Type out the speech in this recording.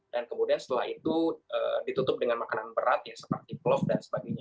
dan kemudian setelah itu ditutup dengan makanan berat seperti klof dan sebagainya